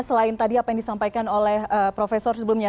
selain tadi apa yang disampaikan oleh profesor sebelumnya